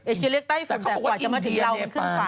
เชียเรียกไต้ฝุ่นเขาบอกว่าอีมาถึงเรามันขึ้นฝั่ง